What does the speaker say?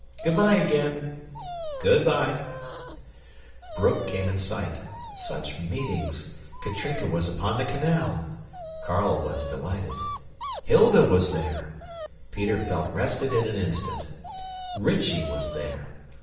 Good bye, again." "Good bye!" Broek came in sight. Such meetings! Katrinka was upon the canal! Carl was delighted. Hilda was there! Peter felt rested in an instant. Rychie was there!